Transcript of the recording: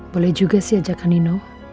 boleh juga sih ajakan nino